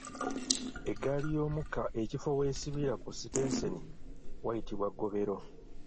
Eggaali y’omukka ekifo w’esibira ku sitenseni wayitibwa ggobero.